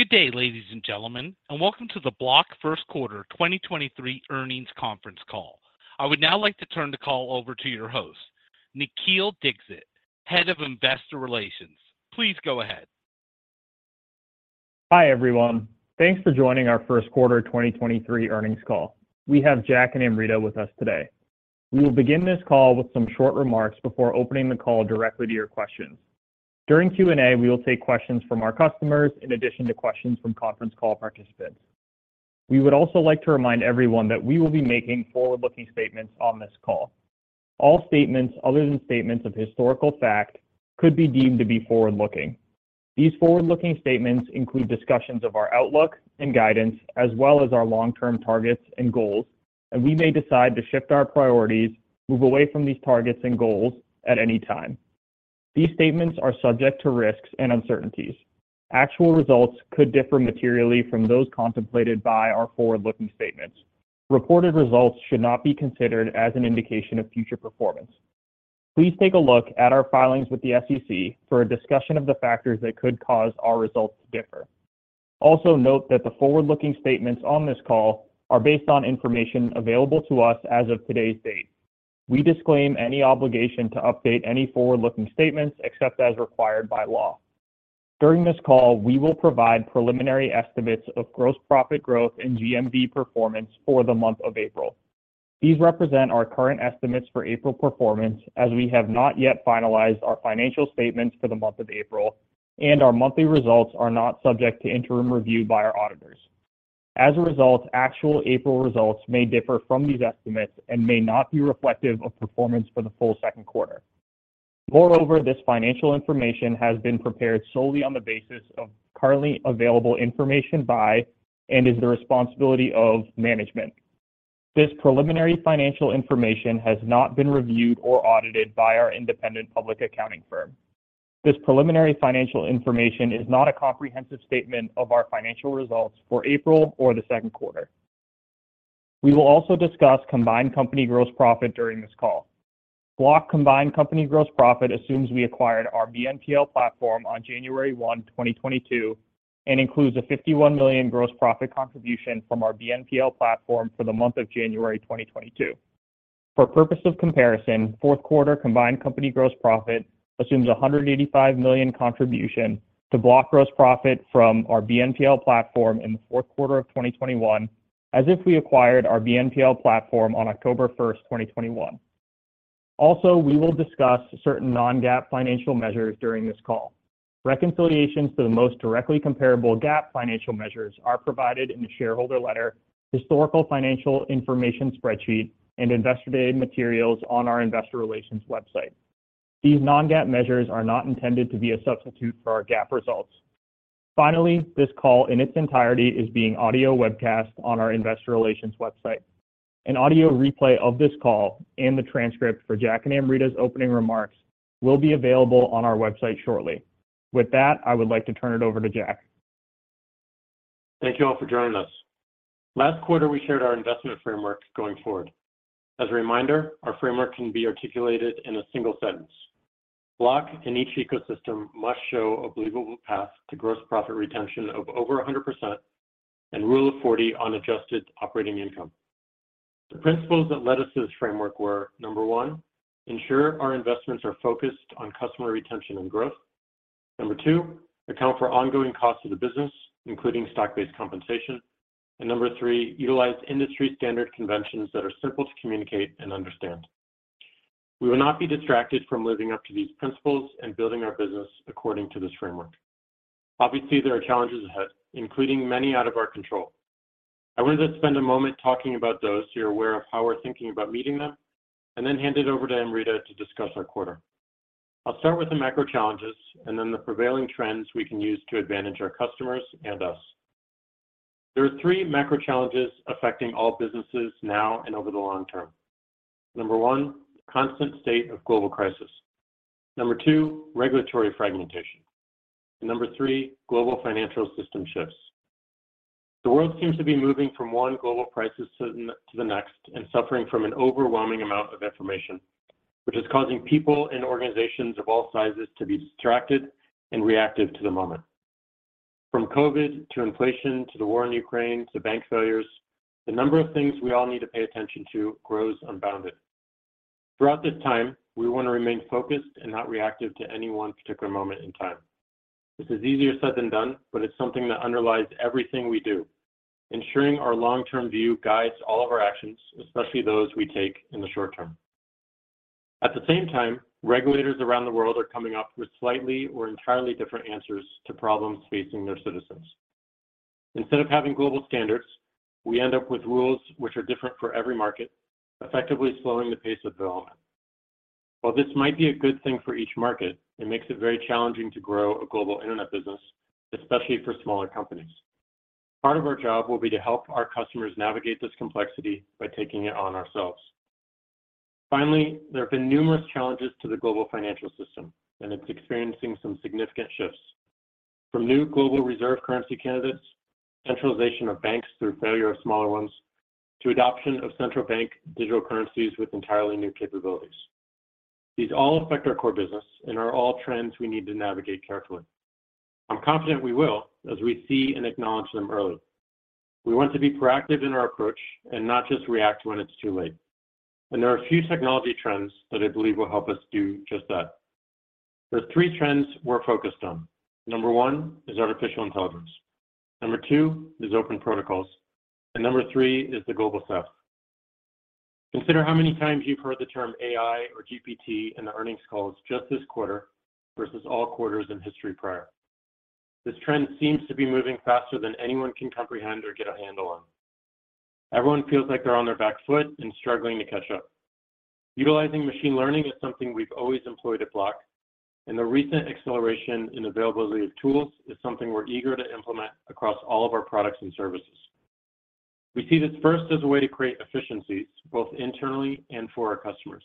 Good day, ladies and gentlemen, and welcome to the Block first quarter 2023 earnings conference call. I would now like to turn the call over to your host, Nikhil Dixit, Head of Investor Relations. Please go ahead. Hi, everyone. Thanks for joining our first quarter 2023 earnings call. We have Jack and Amrita with us today. We will begin this call with some short remarks before opening the call directly to your questions. During Q&A, we will take questions from our customers in addition to questions from conference call participants. We would also like to remind everyone that we will be making forward-looking statements on this call. All statements other than statements of historical fact could be deemed to be forward-looking. These forward-looking statements include discussions of our outlook and guidance as well as our long-term targets and goals. We may decide to shift our priorities, move away from these targets and goals at any time. These statements are subject to risks and uncertainties. Actual results could differ materially from those contemplated by our forward-looking statements. Reported results should not be considered as an indication of future performance. Please take a look at our filings with the SEC for a discussion of the factors that could cause our results to differ. Note that the forward-looking statements on this call are based on information available to us as of today's date. We disclaim any obligation to update any forward-looking statements except as required by law. During this call, we will provide preliminary estimates of gross profit growth and GMV performance for the month of April. These represent our current estimates for April performance, as we have not yet finalized our financial statements for the month of April, and our monthly results are not subject to interim review by our auditors. As a result, actual April results may differ from these estimates and may not be reflective of performance for the full second quarter. This financial information has been prepared solely on the basis of currently available information by, and is the responsibility of, management. This preliminary financial information has not been reviewed or audited by our independent public accounting firm. This preliminary financial information is not a comprehensive statement of our financial results for April or the second quarter. We will also discuss combined company gross profit during this call. Block combined company gross profit assumes we acquired our BNPL platform on January 1, 2022, and includes a $51 million gross profit contribution from our BNPL platform for the month of January 2022. For purpose of comparison, fourth quarter combined company gross profit assumes a $185 million contribution to Block gross profit from our BNPL platform in the fourth quarter of 2021, as if we acquired our BNPL platform on October 1, 2021. We will discuss certain non-GAAP financial measures during this call. Reconciliations to the most directly comparable GAAP financial measures are provided in the shareholder letter, historical financial information spreadsheet, and investor day materials on our investor relations website. These non-GAAP measures are not intended to be a substitute for our GAAP results. This call in its entirety is being audio webcast on our investor relations website. An audio replay of this call and the transcript for Jack and Amrita's opening remarks will be available on our website shortly. With that, I would like to turn it over to Jack. Thank you all for joining us. Last quarter, we shared our investment framework going forward. As a reminder, our framework can be articulated in a single sentence. Block in each ecosystem must show a believable path to gross profit retention of over 100% and Rule of 40 on adjusted operating income. The principles that led us to this framework were, number one, ensure our investments are focused on customer retention and growth. Number two, account for ongoing costs of the business, including stock-based compensation. Number three, utilize industry standard conventions that are simple to communicate and understand. We will not be distracted from living up to these principles and building our business according to this framework. There are challenges ahead, including many out of our control. I wanted to spend a moment talking about those so you're aware of how we're thinking about meeting them, then hand it over to Amrita to discuss our quarter. I'll start with the macro challenges and then the prevailing trends we can use to advantage our customers and us. There are three macro challenges affecting all businesses now and over the long term. Number one, constant state of global crisis. Number two, regulatory fragmentation. Number three, global financial system shifts. The world seems to be moving from one global crisis to the next and suffering from an overwhelming amount of information, which is causing people and organizations of all sizes to be distracted and reactive to the moment. From COVID, to inflation, to the war in Ukraine, to bank failures, the number of things we all need to pay attention to grows unbounded. Throughout this time, we want to remain focused and not reactive to any one particular moment in time. This is easier said than done, but it's something that underlies everything we do, ensuring our long-term view guides all of our actions, especially those we take in the short term. At the same time, regulators around the world are coming up with slightly or entirely different answers to problems facing their citizens. Instead of having global standards, we end up with rules which are different for every market, effectively slowing the pace of development. While this might be a good thing for each market, it makes it very challenging to grow a global Internet business, especially for smaller companies. Part of our job will be to help our customers navigate this complexity by taking it on ourselves. There have been numerous challenges to the global financial system, and it's experiencing some significant shifts. From new global reserve currency candidates, centralization of banks through failure of smaller ones, to adoption of central bank digital currencies with entirely new capabilities. These all affect our core business and are all trends we need to navigate carefully. I'm confident we will as we see and acknowledge them early. We want to be proactive in our approach and not just react when it's too late, and there are a few technology trends that I believe will help us do just that. There are three trends we're focused on. Number one is artificial intelligence. Number two is open protocols, and number three is the Global South. Consider how many times you've heard the term AI or GPT in the earnings calls just this quarter versus all quarters in history prior. This trend seems to be moving faster than anyone can comprehend or get a handle on. Everyone feels like they're on their back foot and struggling to catch up. Utilizing machine learning is something we've always employed at Block. The recent acceleration in availability of tools is something we're eager to implement across all of our products and services. We see this first as a way to create efficiencies both internally and for our customers.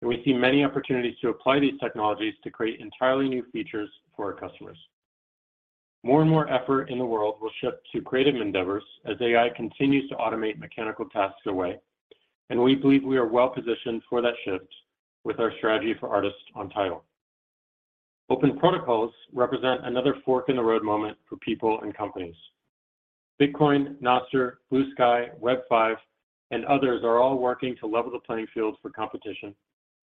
We see many opportunities to apply these technologies to create entirely new features for our customers. More and more effort in the world will shift to creative endeavors as AI continues to automate mechanical tasks away. We believe we are well-positioned for that shift with our strategy for artists on TIDAL. Open protocols represent another fork-in-the-road moment for people and companies. Bitcoin, Nostr, Bluesky, Web5, others are all working to level the playing field for competition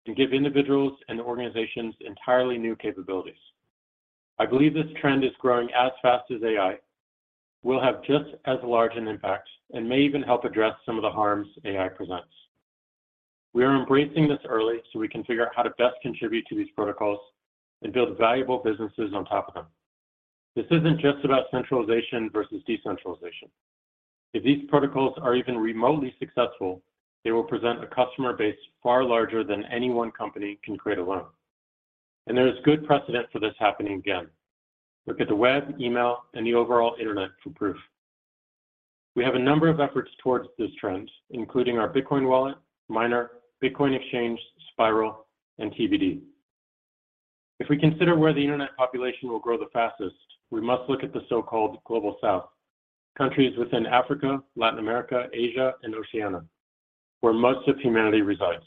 and give individuals and organizations entirely new capabilities. I believe this trend is growing as fast as AI, will have just as large an impact, and may even help address some of the harms AI presents. We are embracing this early so we can figure out how to best contribute to these protocols and build valuable businesses on top of them. This isn't just about centralization versus decentralization. If these protocols are even remotely successful, they will present a customer base far larger than any one company can create alone, and there is good precedent for this happening again. Look at the web, email, and the overall Internet for proof. We have a number of efforts towards this trend, including our Bitcoin wallet, miner, Bitcoin exchange, Spiral, and TBD. If we consider where the Internet population will grow the fastest, we must look at the so-called Global South, countries within Africa, Latin America, Asia, and Oceania, where most of humanity resides.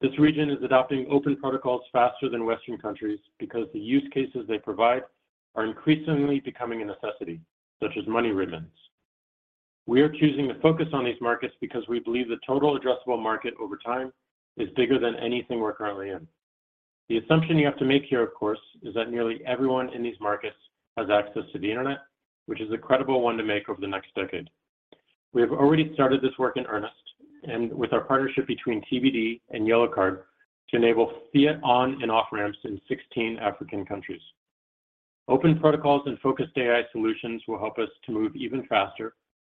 This region is adopting open protocols faster than Western countries because the use cases they provide are increasingly becoming a necessity, such as money remittance. We are choosing to focus on these markets because we believe the total addressable market over time is bigger than anything we're currently in. The assumption you have to make here, of course, is that nearly everyone in these markets has access to the Internet, which is a credible one to make over the next decade. We have already started this work in earnest and with our partnership between TBD and Yellow Card to enable fiat on and off ramps in 16 African countries. Open protocols and focused AI solutions will help us to move even faster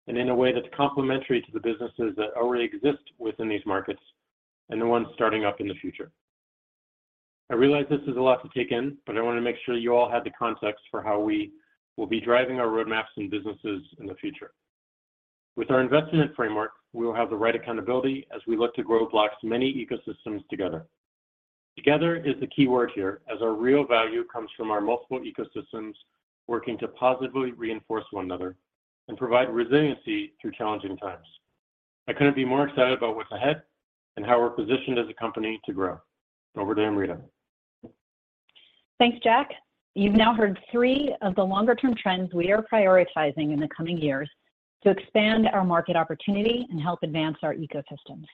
and in a way that's complementary to the businesses that already exist within these markets and the ones starting up in the future. I realize this is a lot to take in, but I want to make sure you all have the context for how we will be driving our roadmaps and businesses in the future. With our investment framework, we will have the right accountability as we look to grow Block's many ecosystems together. Together is the key word here, as our real value comes from our multiple ecosystems working to positively reinforce one another and provide resiliency through challenging times. I couldn't be more excited about what's ahead and how we're positioned as a company to grow. Over to Amrita. Thanks, Jack. You've now heard three of the longer-term trends we are prioritizing in the coming years to expand our market opportunity and help advance our ecosystems.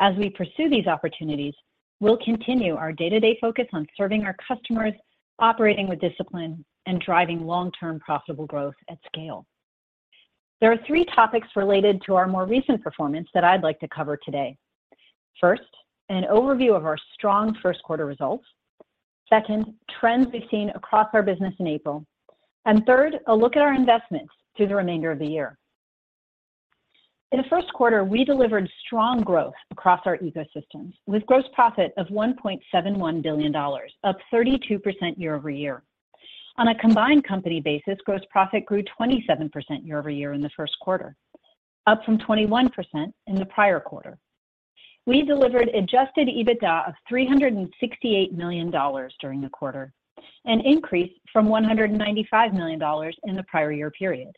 As we pursue these opportunities, we'll continue our day-to-day focus on serving our customers, operating with discipline, and driving long-term profitable growth at scale. There are three topics related to our more recent performance that I'd like to cover today. First, an overview of our strong first quarter results. Second, trends we've seen across our business in April. Third, a look at our investments through the remainder of the year. In the first quarter, we delivered strong growth across our ecosystems, with gross profit of $1.71 billion, up 32% year-over-year. On a combined company basis, gross profit grew 27% year-over-year in the first quarter, up from 21% in the prior quarter. We delivered adjusted EBITDA of $368 million during the quarter, an increase from $195 million in the prior year period.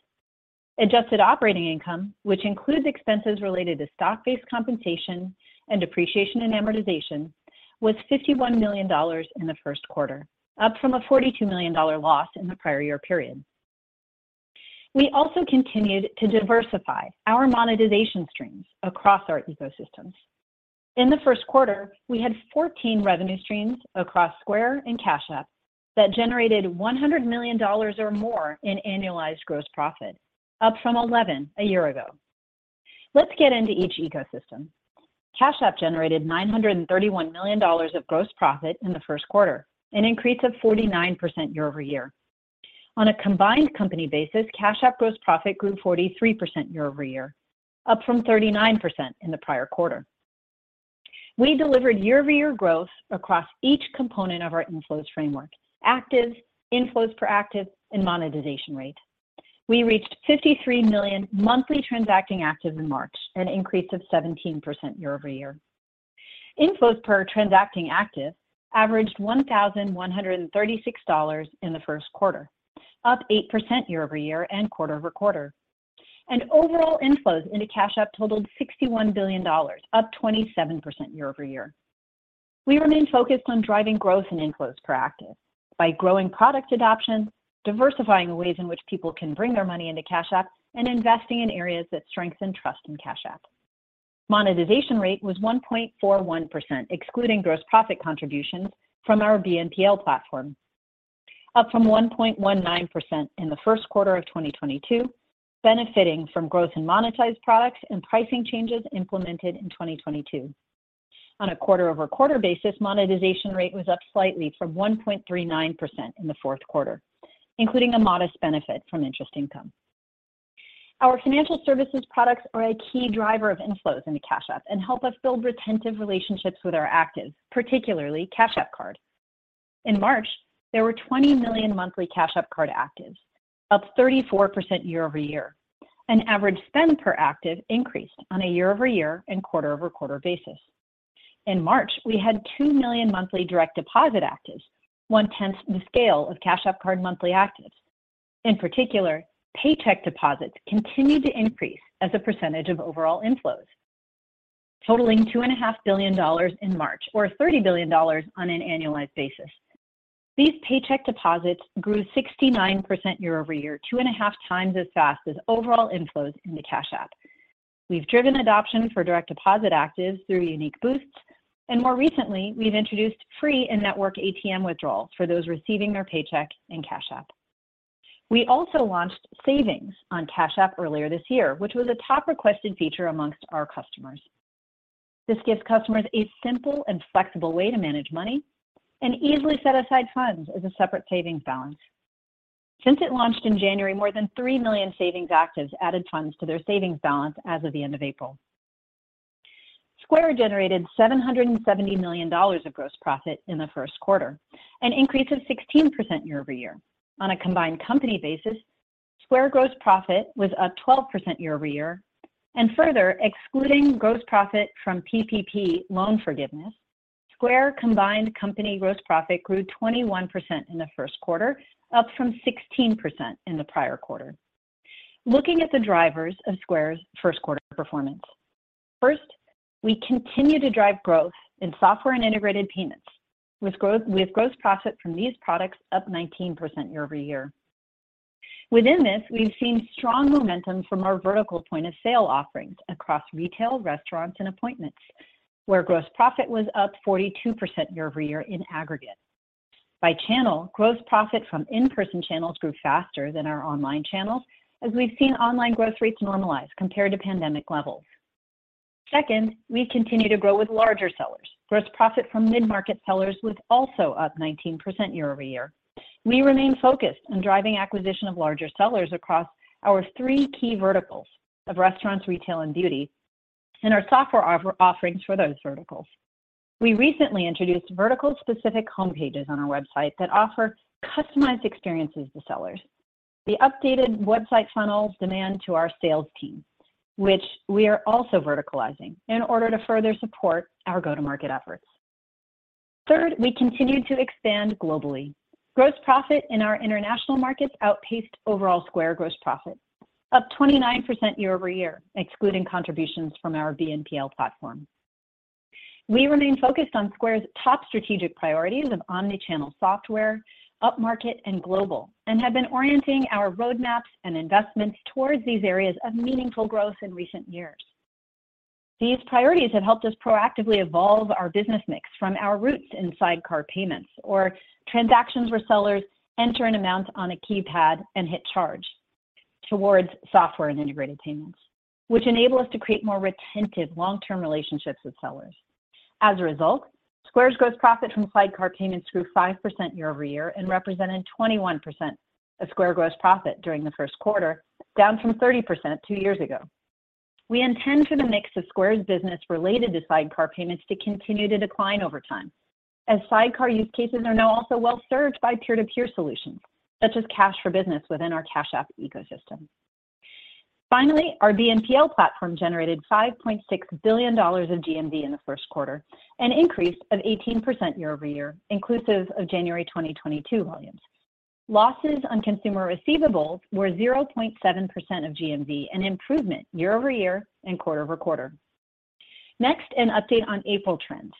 Adjusted operating income, which includes expenses related to stock-based compensation and depreciation and amortization, was $51 million in the first quarter, up from a $42 million loss in the prior year period. We also continued to diversify our monetization streams across our ecosystems. In the first quarter, we had 14 revenue streams across Square and Cash App that generated $100 million or more in annualized gross profit, up from 11 a year ago. Let's get into each ecosystem. Cash App generated $931 million of gross profit in the first quarter, an increase of 49% year-over-year. On a combined company basis, Cash App gross profit grew 43% year-over-year, up from 39% in the prior quarter. We delivered year-over-year growth across each component of our inflows framework: actives, inflows per active, and monetization rate. We reached 53 million monthly transacting actives in March, an increase of 17% year-over-year. Inflows per transacting active averaged $1,136 in the first quarter, up 8% year-over-year and quarter-over-quarter. Overall inflows into Cash App totaled $61 billion, up 27% year-over-year. We remain focused on driving growth in inflows per active by growing product adoption, diversifying the ways in which people can bring their money into Cash App, and investing in areas that strengthen trust in Cash App. Monetization rate was 1.41%, excluding gross profit contributions from our BNPL platform, up from 1.19% in the first quarter of 2022, benefiting from growth in monetized products and pricing changes implemented in 2022. On a quarter-over-quarter basis, monetization rate was up slightly from 1.39% in the fourth quarter, including a modest benefit from interest income. Our financial services products are a key driver of inflows into Cash App and help us build retentive relationships with our actives, particularly Cash App Card. In March, there were 20 million monthly Cash App Card actives, up 34% year-over-year, and average spend per active increased on a year-over-year and quarter-over-quarter basis. In March, we had 2 million monthly direct deposit actives, one-tenth the scale of Cash App Card monthly actives. In particular, paycheck deposits continued to increase as a percentage of overall inflows, totaling $2.5 billion in March or $30 billion on an annualized basis. These paycheck deposits grew 69% year-over-year, 2.5 times as fast as overall inflows into Cash App. We've driven adoption for direct deposit actives through unique boosts, and more recently, we've introduced free in-network ATM withdrawals for those receiving their paycheck in Cash App. We also launched savings on Cash App earlier this year, which was a top requested feature amongst our customers. This gives customers a simple and flexible way to manage money and easily set aside funds as a separate savings balance. Since it launched in January, more than 3 million savings actives added funds to their savings balance as of the end of April. Square generated $770 million of gross profit in the first quarter, an increase of 16% year-over-year. On a combined company basis, Square gross profit was up 12% year-over-year. Further, excluding gross profit from PPP loan forgiveness, Square combined company gross profit grew 21% in the first quarter, up from 16% in the prior quarter. Looking at the drivers of Square's first quarter performance. First, we continue to drive growth in software and integrated payments with gross profit from these products up 19% year-over-year. Within this, we've seen strong momentum from our vertical point-of-sale offerings across retail, restaurants, and appointments, where gross profit was up 42% year-over-year in aggregate. By channel, gross profit from in-person channels grew faster than our online channels as we've seen online growth rates normalize compared to pandemic levels. Second, we continue to grow with larger sellers. Gross profit from mid-market sellers was also up 19% year-over-year. We remain focused on driving acquisition of larger sellers across our three key verticals of restaurants, retail, and beauty, and our software offerings for those verticals. We recently introduced vertical specific homepages on our website that offer customized experiences to sellers. The updated website funnels demand to our sales team, which we are also verticalizing in order to further support our go-to-market efforts. Third, we continue to expand globally. Gross profit in our international markets outpaced overall Square gross profit, up 29% year-over-year, excluding contributions from our BNPL platform. We remain focused on Square's top strategic priorities of omni-channel software, up-market, and global, and have been orienting our roadmaps and investments towards these areas of meaningful growth in recent years. These priorities have helped us proactively evolve our business mix from our roots in sidecar payments or transactions where sellers enter an amount on a keypad and hit charge towards software and integrated payments, which enable us to create more retentive long-term relationships with sellers. As a result, Square's gross profit from sidecar payments grew 5% year-over-year and represented 21% of Square gross profit during the first quarter, down from 30% two years ago. We intend for the mix of Square's business related to sidecar payments to continue to decline over time, as sidecar use cases are now also well served by peer-to-peer solutions such as Cash for Business within our Cash App ecosystem. Our BNPL platform generated $5.6 billion of GMV in the first quarter, an increase of 18% year-over-year, inclusive of January 2022 volumes. Losses on consumer receivables were 0.7% of GMV, an improvement year-over-year and quarter-over-quarter. An update on April trends.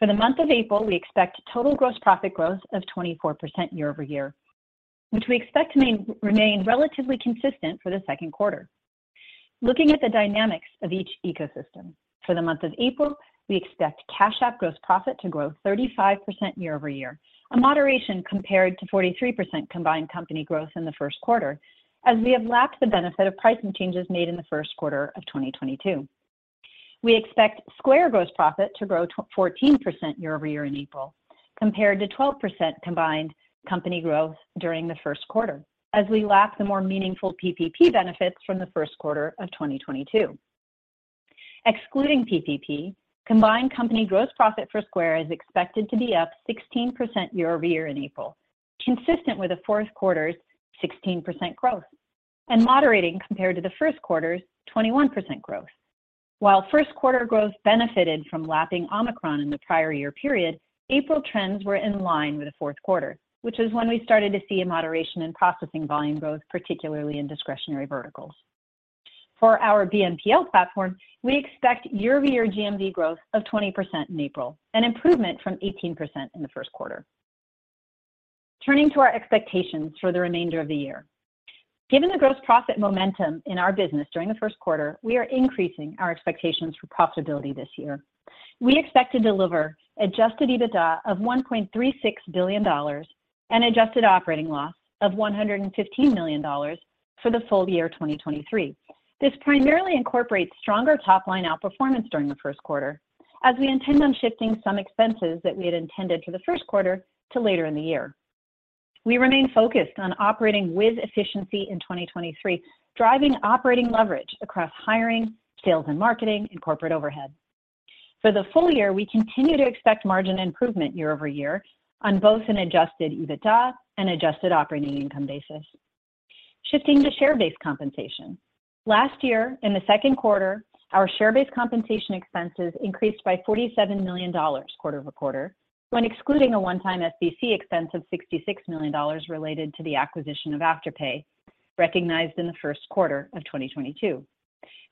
For the month of April, we expect total gross profit growth of 24% year-over-year, which we expect to remain relatively consistent for the second quarter. Looking at the dynamics of each ecosystem, for the month of April, we expect Cash App gross profit to grow 35% year-over-year, a moderation compared to 43% combined company growth in the first quarter, as we have lapped the benefit of pricing changes made in the first quarter of 2022. We expect Square gross profit to grow 14% year-over-year in April compared to 12% combined company growth during the first quarter as we lap the more meaningful PPP benefits from the first quarter of 2022. Excluding PPP, combined company gross profit for Square is expected to be up 16% year-over-year in April, consistent with the fourth quarter's 16% growth and moderating compared to the first quarter's 21% growth. While first quarter growth benefited from lapping Omicron in the prior year period, April trends were in line with the fourth quarter, which is when we started to see a moderation in processing volume growth, particularly in discretionary verticals. For our BNPL platform, we expect year-over-year GMV growth of 20% in April, an improvement from 18% in the first quarter. Turning to our expectations for the remainder of the year. Given the gross profit momentum in our business during the first quarter, we are increasing our expectations for profitability this year. We expect to deliver adjusted EBITDA of $1.36 billion and adjusted operating loss of $115 million for the full year 2023. This primarily incorporates stronger top-line outperformance during the first quarter as we intend on shifting some expenses that we had intended for the first quarter to later in the year. We remain focused on operating with efficiency in 2023, driving operating leverage across hiring, sales and marketing, and corporate overhead. For the full year, we continue to expect margin improvement year-over-year on both an adjusted EBITDA and adjusted operating income basis. Shifting to share-based compensation. Last year, in the second quarter, our share-based compensation expenses increased by $47 million quarter-over-quarter, when excluding a one-time SBC expense of $66 million related to the acquisition of Afterpay, recognized in the first quarter of 2022.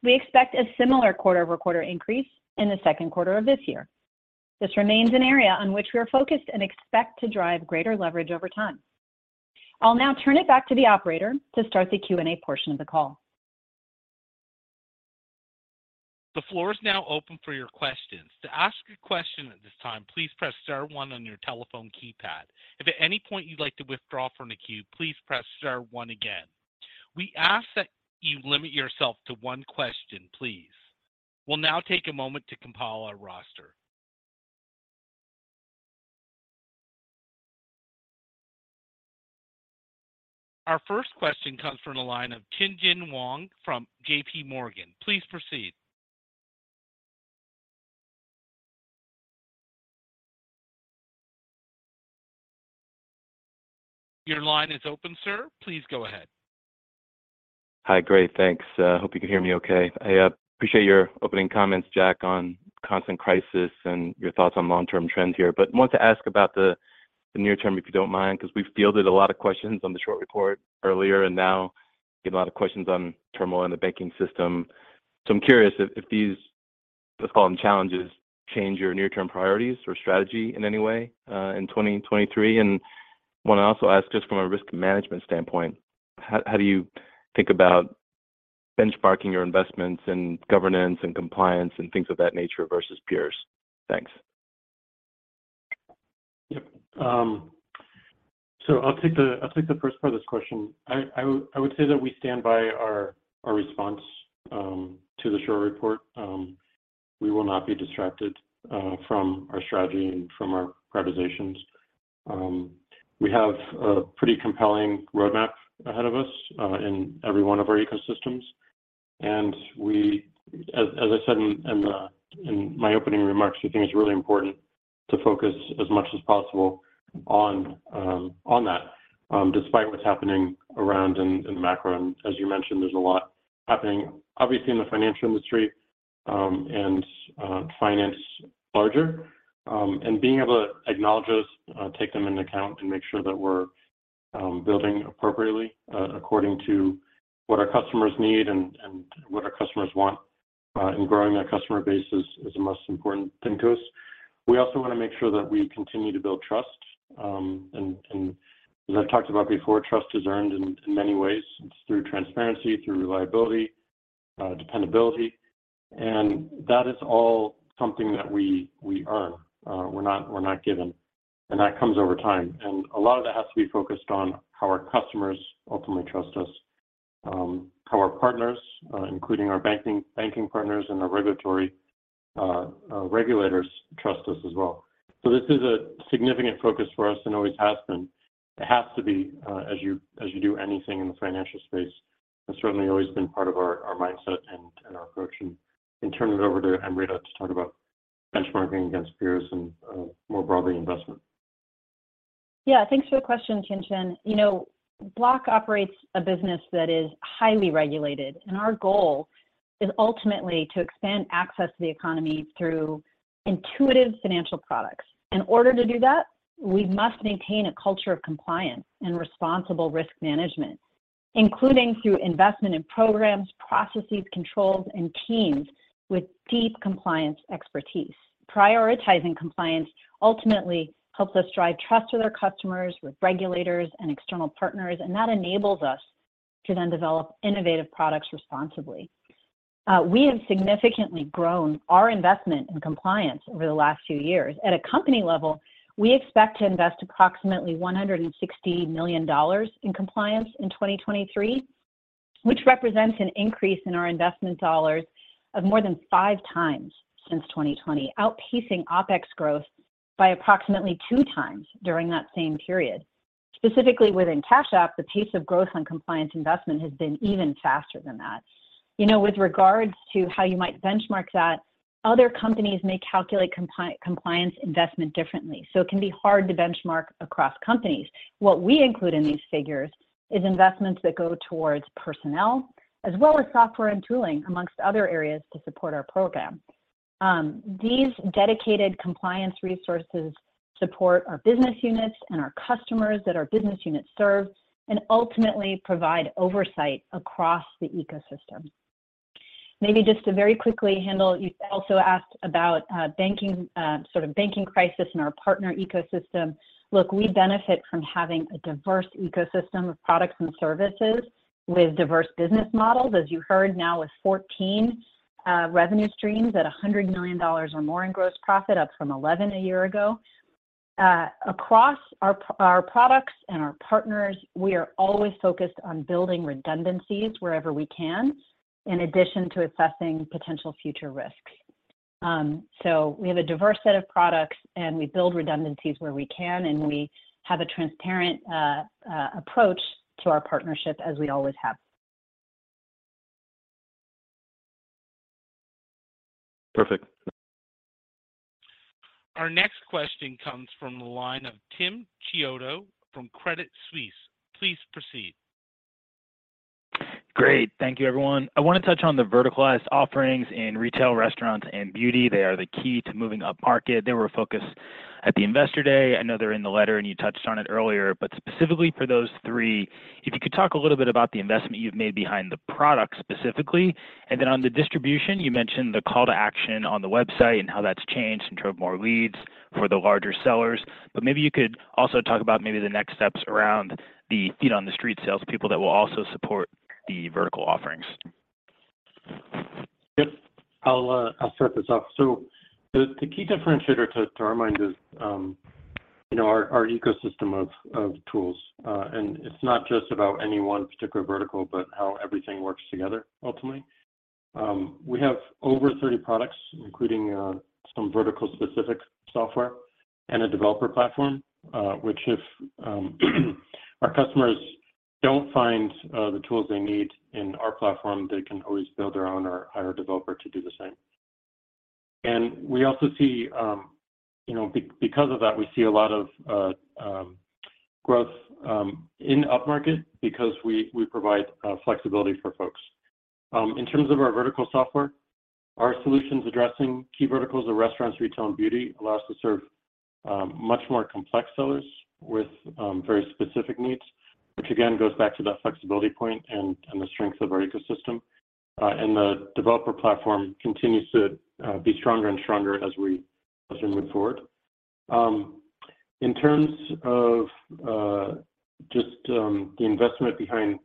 We expect a similar quarter-over-quarter increase in the second quarter of this year. This remains an area on which we are focused and expect to drive greater leverage over time. I'll now turn it back to the operator to start the Q&A portion of the call. The floor is now open for your questions. To ask a question at this time, please press star one on your telephone keypad. If at any point you'd like to withdraw from the queue, please press star one again. We ask that you limit yourself to one question, please. We'll now take a moment to compile our roster. Our first question comes from the line of Tien-Tsin Huang from JPMorgan. Please proceed. Your line is open, sir. Please go ahead. Hi. Great. Thanks. hope you can hear me okay. I appreciate your opening comments, Jack, on constant crisis and your thoughts on long-term trends here. Want to ask about the near term, if you don't mind, 'cause we've fielded a lot of questions on the short record earlier and now get a lot of questions on turmoil in the banking system. I'm curious if these, let's call them challenges, change your near-term priorities or strategy in any way in 2023. Wanna also ask, just from a risk management standpoint, how do you think about benchmarking your investments in governance and compliance and things of that nature versus peers? Thanks. Yep. I'll take the first part of this question. I would say that we stand by our response to the short report. We will not be distracted from our strategy and from our prioritizations. We have a pretty compelling roadmap ahead of us in every one of our ecosystems. As I said in my opening remarks, we think it's really important to focus as much as possible on that despite what's happening around in the macro. As you mentioned, there's a lot happening obviously in the financial industry and finance larger. Being able to acknowledge those, take them into account, and make sure that we're building appropriately, according to what our customers need and what our customers want, in growing that customer base is the most important thing to us. We also wanna make sure that we continue to build trust, and as I've talked about before, trust is earned in many ways. It's through transparency, through reliability, dependability, and that is all something that we earn, we're not given, and that comes over time. A lot of that has to be focused on how our customers ultimately trust us, how our partners, including our banking partners and our regulatory regulators trust us as well. This is a significant focus for us and always has been. It has to be, as you do anything in the financial space, and certainly always been part of our mindset and our approach. Can turn it over to Amrita to talk about benchmarking against peers and, more broadly investment. Yeah. Thanks for the question, Tien-Tsin. You know, Block operates a business that is highly regulated, and our goal is ultimately to expand access to the economy through intuitive financial products. In order to do that, we must maintain a culture of compliance and responsible risk management, including through investment in programs, processes, controls, and teams with deep compliance expertise. Prioritizing compliance ultimately helps us drive trust with our customers, with regulators and external partners, and that enables us to then develop innovative products responsibly. We have significantly grown our investment in compliance over the last few years. At a company level, we expect to invest approximately $160 million in compliance in 2023, which represents an increase in our investment dollars of more than 5x since 2020, outpacing OpEx growth by approximately 2x during that same period. Specifically within Cash App, the pace of growth on compliance investment has been even faster than that. You know, with regards to how you might benchmark that. Other companies may calculate compliance investment differently, so it can be hard to benchmark across companies. What we include in these figures is investments that go towards personnel as well as software and tooling, amongst other areas to support our program. These dedicated compliance resources support our business units and our customers that our business units serve, and ultimately provide oversight across the ecosystem. Maybe just to very quickly handle, you also asked about banking sort of banking crisis in our partner ecosystem. Look, we benefit from having a diverse ecosystem of products and services with diverse business models. As you heard now with 14 revenue streams at $100 million or more in gross profit up from 11 a year ago. Across our products and our partners, we are always focused on building redundancies wherever we can in addition to assessing potential future risks. We have a diverse set of products, and we build redundancies where we can, and we have a transparent approach to our partnership as we always have. Perfect. Our next question comes from the line of Tim Chiodo from Credit Suisse. Please proceed. Great. Thank you everyone. I wanna touch on the verticalized offerings in retail, restaurants, and beauty. They are the key to moving up-market. They were a focus at the investor day. I know they're in the letter, and you touched on it earlier, but specifically for those three, if you could talk a little bit about the investment you've made behind the product specifically. Then on the distribution, you mentioned the call to action on the website and how that's changed and drove more leads for the larger sellers. Maybe you could also talk about maybe the next steps around the feet on the street salespeople that will also support the vertical offerings. Yep. I'll start this off. The key differentiator to our mind is, you know, our ecosystem of tools. It's not just about any one particular vertical, but how everything works together ultimately. We have over 30 products, including some vertical specific software and a developer platform, which if our customers don't find the tools they need in our platform, they can always build their own or hire a developer to do the same. We also see, you know, because of that, we see a lot of growth in up-market because we provide flexibility for folks. In terms of our vertical software, our solutions addressing key verticals of restaurants, retail, and beauty allows us to serve much more complex sellers with very specific needs, which again goes back to that flexibility point and the strength of our ecosystem. The developer platform continues to be stronger and stronger as we move forward. In terms of just the investment behind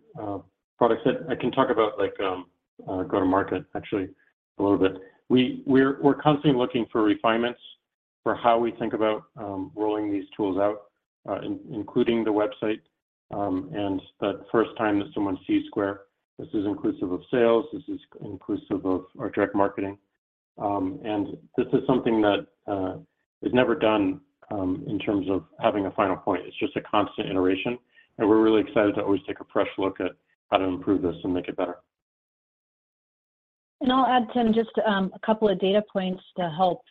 products that I can talk about, like go-to-market actually a little bit. We're constantly looking for refinements for how we think about rolling these tools out, including the website, and the first time that someone sees Square, this is inclusive of sales, this is inclusive of our direct marketing. This is something that is never done in terms of having a final point. It's just a constant iteration, and we're really excited to always take a fresh look at how to improve this and make it better. I'll add, Tim, just a couple of data points to help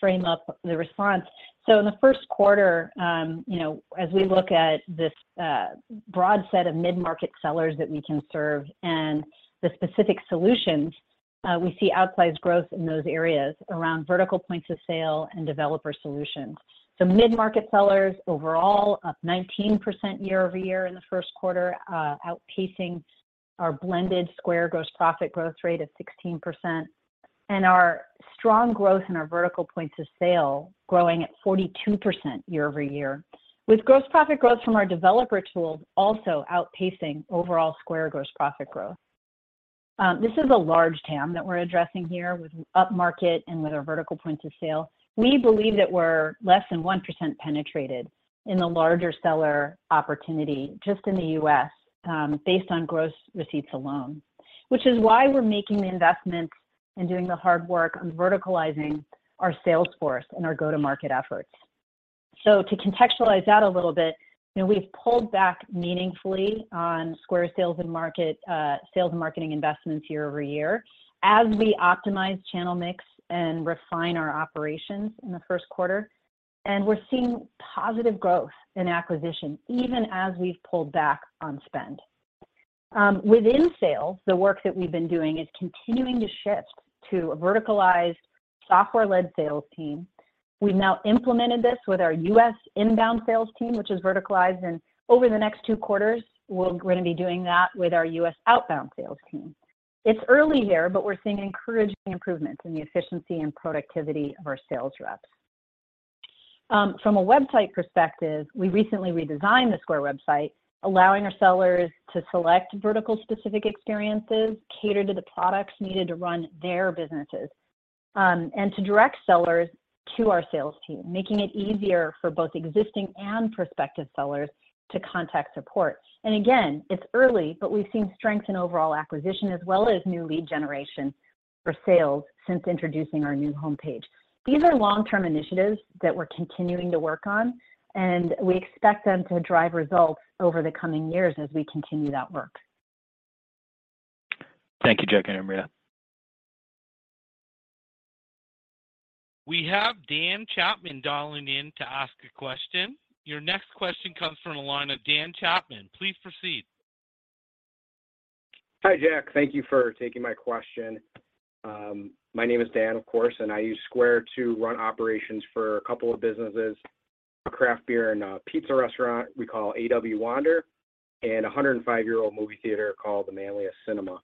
frame up the response. In the first quarter, you know, as we look at this broad set of mid-market sellers that we can serve and the specific solutions, we see outsized growth in those areas around vertical points of sale and developer solutions. Mid-market sellers overall up 19% year-over-year in the first quarter, outpacing our blended Square gross profit growth rate of 16%. Our strong growth in our vertical points of sale growing at 42% year-over-year with gross profit growth from our developer tools also outpacing overall Square gross profit growth. This is a large TAM that we're addressing here with up-market and with our vertical points of sale. We believe that we're less than 1% penetrated in the larger seller opportunity just in the U.S., based on gross receipts alone. Which is why we're making the investments and doing the hard work on verticalizing our sales force and our go-to-market efforts. To contextualize that a little bit, you know, we've pulled back meaningfully on Square sales and marketing investments year-over-year as we optimize channel mix and refine our operations in the first quarter. We're seeing positive growth in acquisition even as we've pulled back on spend. Within sales, the work that we've been doing is continuing to shift to a verticalized software-led sales team. We've now implemented this with our U.S. inbound sales team, which is verticalized, and over the next two quarters, we're gonna be doing that with our U.S. outbound sales team. It's early here, but we're seeing encouraging improvements in the efficiency and productivity of our sales reps. From a website perspective, we recently redesigned the Square website, allowing our sellers to select vertical specific experiences, cater to the products needed to run their businesses, and to direct sellers to our sales team, making it easier for both existing and prospective sellers to contact support. It's early, but we've seen strength in overall acquisition as well as new lead generation for sales since introducing our new homepage. These are long-term initiatives that we're continuing to work on. We expect them to drive results over the coming years as we continue that work. Thank you, Jack and Amrita. We have Dan Chapman dialing in to ask a question. Your next question comes from the line of Dan Chapman. Please proceed. Hi, Jack. Thank you for taking my question. My name is Dan, of course. I use Square to run operations for a couple of businesses, a craft beer and a pizza restaurant we call A.W. Wander, and a 105-year-old movie theater called the Manlius Cinema.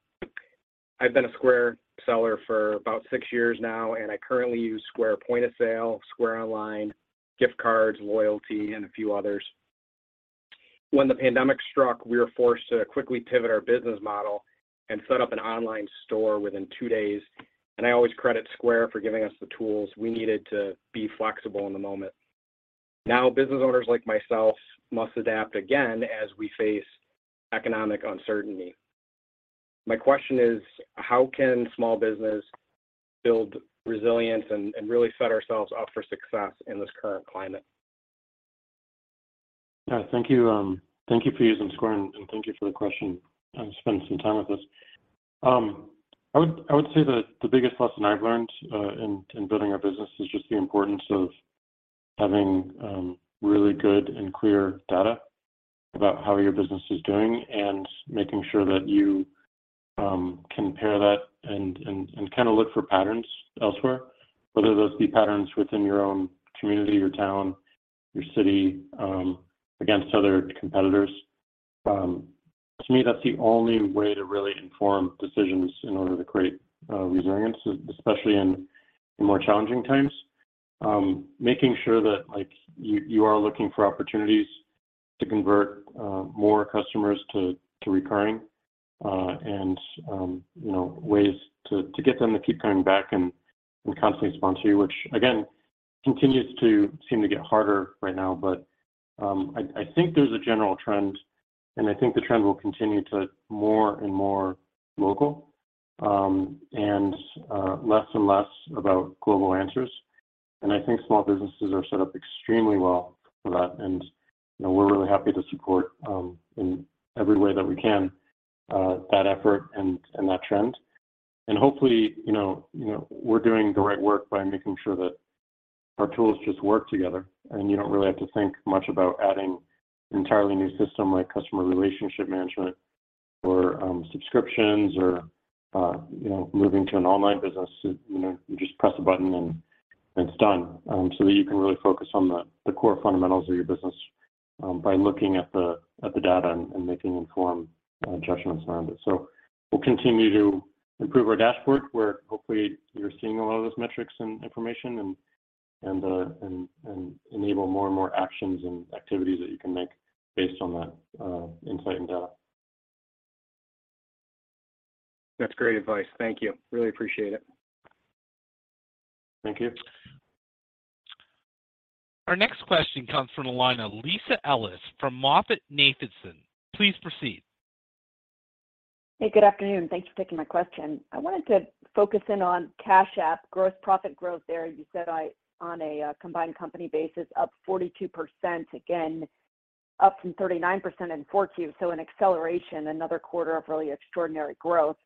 I've been a Square seller for about six years now. I currently use Square Point of Sale, Square Online, Gift Cards, Loyalty, and a few others. When the pandemic struck, we were forced to quickly pivot our business model and set up an online store within two days. I always credit Square for giving us the tools we needed to be flexible in the moment. Now, business owners like myself must adapt again as we face economic uncertainty. My question is, how can small business build resilience and really set ourselves up for success in this current climate? Yeah, thank you. Thank you for using Square, thank you for the question, and spending some time with us. I would say that the biggest lesson I've learned in building our business is just the importance of having really good and clear data about how your business is doing and making sure that you, compare that and kinda look for patterns elsewhere, whether those be patterns within your own community or town, your city, against other competitors. To me, that's the only way to really inform decisions in order to create resilience, especially in more challenging times. Making sure that, like, you are looking for opportunities to convert more customers to recurring, and, you know, ways to get them to keep coming back and constantly sponsor you, which again, continues to seem to get harder right now. I think there's a general trend, and I think the trend will continue to more and more local, and less and less about global answers. I think small businesses are set up extremely well for that. You know, we're really happy to support in every way that we can, that effort and that trend. Hopefully, you know, we're doing the right work by making sure that our tools just work together, and you don't really have to think much about adding an entirely new system like customer relationship management or subscriptions or, you know, moving to an online business. You, you know, you just press a button and it's done, so that you can really focus on the core fundamentals of your business, by looking at the data and making informed judgments around it. We'll continue to improve our dashboard, where hopefully you're seeing a lot of those metrics and information and enable more and more actions and activities that you can make based on that insight and data. That's great advice. Thank you. Really appreciate it. Thank you. Our next question comes from the line of Lisa Ellis from MoffettNathanson. Please proceed. Hey, good afternoon. Thanks for taking my question. I wanted to focus in on Cash App gross profit growth there. You said on a combined company basis, up 42% again, up from 39% in 4Q, an acceleration, another quarter of really extraordinary growth.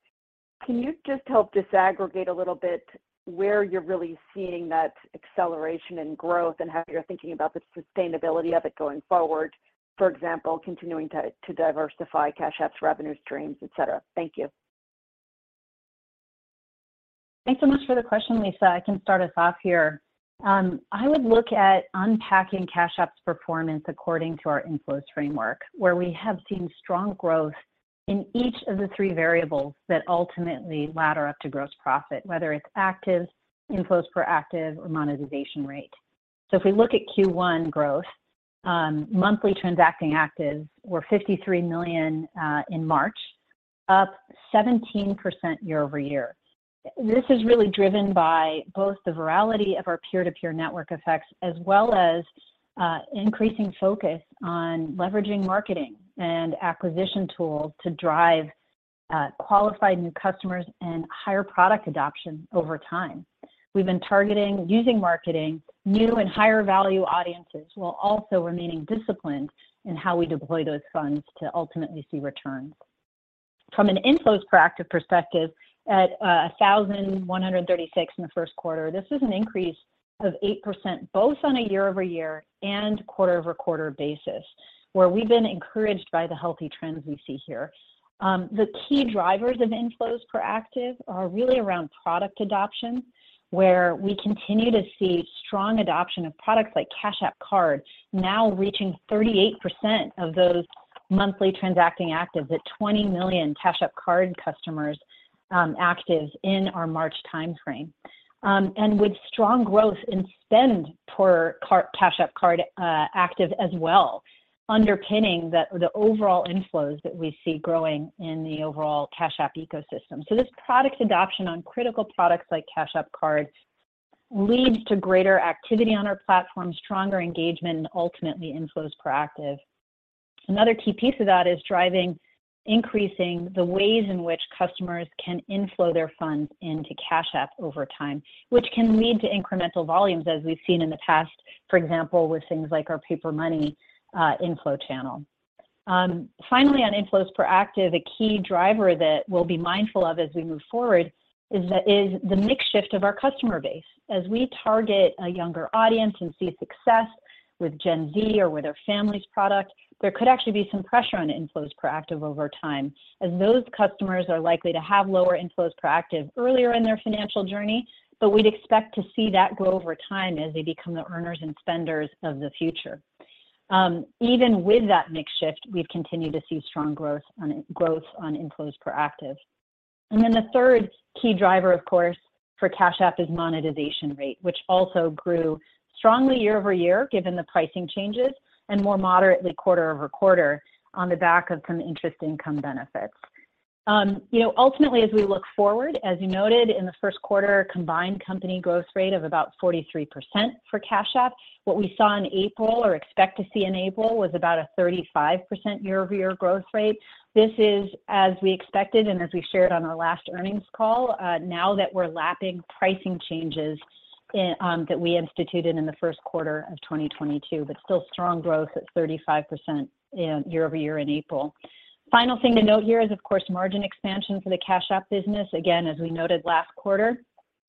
Can you just help disaggregate a little bit where you're really seeing that acceleration and growth and how you're thinking about the sustainability of it going forward? For example, continuing to diversify Cash App's revenue streams, et cetera. Thank you. Thanks so much for the question, Lisa. I can start us off here. I would look at unpacking Cash App's performance according to our inflows framework, where we have seen strong growth in each of the three variables that ultimately ladder up to gross profit, whether it's actives, inflows per active, or monetization rate. If we look at Q1 growth, monthly transacting actives were 53 million in March, up 17% year-over-year. This is really driven by both the virality of our peer-to-peer network effects, as well as increasing focus on leveraging marketing and acquisition tools to drive qualified new customers and higher product adoption over time. We've been targeting using marketing new and higher value audiences while also remaining disciplined in how we deploy those funds to ultimately see returns. From an inflows per active perspective, at 1,136 in the first quarter, this is an increase of 8% both on a year-over-year and quarter-over-quarter basis, where we've been encouraged by the healthy trends we see here. The key drivers of inflows per active are really around product adoption, where we continue to see strong adoption of products like Cash App Card now reaching 38% of those monthly transacting actives at 20 million Cash App Card customers, active in our March timeframe. With strong growth in spend per Cash App Card, active as well, underpinning the overall inflows that we see growing in the overall Cash App ecosystem. This product adoption on critical products like Cash App Card leads to greater activity on our platform, stronger engagement, and ultimately inflows per active. Another key piece of that is driving increasing the ways in which customers can inflow their funds into Cash App over time, which can lead to incremental volumes as we've seen in the past, for example, with things like our Paper Money inflow channel. Finally on inflows per active, a key driver that we'll be mindful of as we move forward is the mix shift of our customer base. As we target a younger audience and see success with Gen Z or with our families product, there could actually be some pressure on inflows per active over time as those customers are likely to have lower inflows per active earlier in their financial journey. We'd expect to see that grow over time as they become the earners and spenders of the future. Even with that mix shift, we've continued to see strong growth on inflows per active. The third key driver, of course, for Cash App is monetization rate, which also grew strongly year-over-year, given the pricing changes, and more moderately quarter-over-quarter on the back of some interest income benefits. You know, ultimately, as we look forward, as you noted in the first quarter, combined company growth rate of about 43% for Cash App. What we saw in April or expect to see in April was about a 35% year-over-year growth rate. This is as we expected and as we shared on our last earnings call, now that we're lapping pricing changes in that we instituted in the first quarter of 2022, but still strong growth at 35% year-over-year in April. Final thing to note here is, of course, margin expansion for the Cash App business. Again, as we noted last quarter,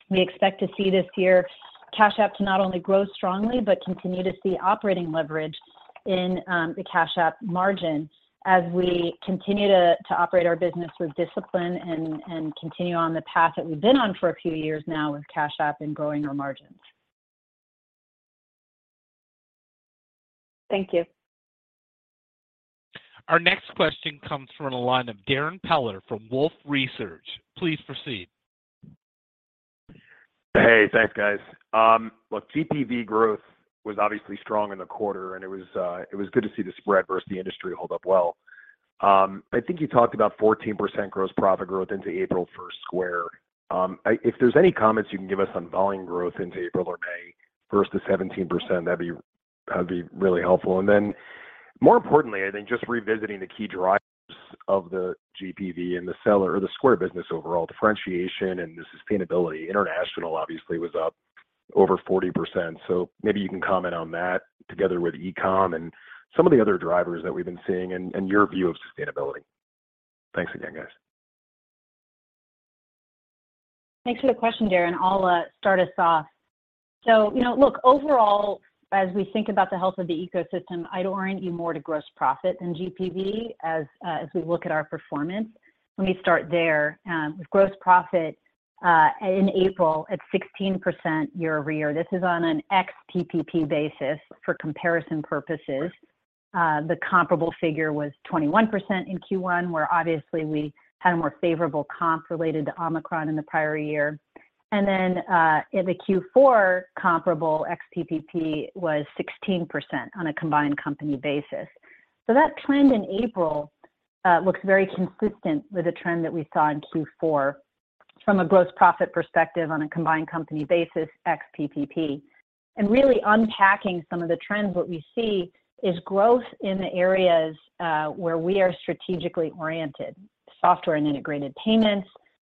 we expect to see this year Cash App to not only grow strongly, but continue to see operating leverage in the Cash App margin as we continue to operate our business with discipline and continue on the path that we've been on for a few years now with Cash App in growing our margins. Thank you. Our next question comes from the line of Darrin Peller from Wolfe Research. Please proceed. Hey, thanks, guys. Look, GPV growth was obviously strong in the quarter, and it was good to see the spread versus the industry hold up well. I think you talked about 14% gross profit growth into April for Square. If there's any comments you can give us on volume growth into April or May versus 17%, that'd be really helpful. More importantly, I think just revisiting the key drivers of the GPV and the seller or the Square business overall differentiation and the sustainability. International, obviously, was up over 40%. Maybe you can comment on that together with e-com and some of the other drivers that we've been seeing and your view of sustainability. Thanks again, guys. Thanks for the question, Darrin. I'll start us off. you know, look, overall, as we think about the health of the ecosystem, I'd orient you more to gross profit than GPV as we look at our performance. Let me start there. With gross profit in April at 16% year-over-year. This is on an ex-PPP basis for comparison purposes. The comparable figure was 21% in Q1, where obviously we had a more favorable comp related to Omicron in the prior year. in the Q4 comparable ex-PPP was 16% on a combined company basis. That trend in April looks very consistent with the trend that we saw in Q4 from a gross profit perspective on a combined company basis, ex-PPP. Really unpacking some of the trends, what we see is growth in the areas where we are strategically oriented, software and integrated payments